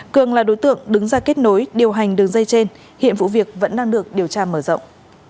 cường là đối tượng đứng ra kết nối điều hành đường dây trên hiện vụ việc vẫn đang được điều tra mở rộng